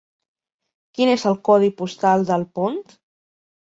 Quin és el codi postal d'Alpont?